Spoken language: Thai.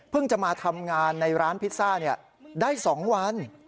จะมาทำงานในร้านพิซซ่าได้๒วัน